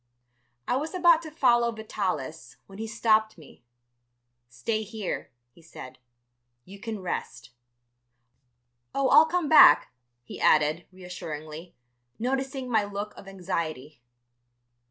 I was about to follow Vitalis, when he stopped me. "Stay here," he said; "you can rest. "Oh, I'll come back," he added, reassuringly, noticing my look of anxiety.